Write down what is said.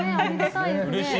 うれしい。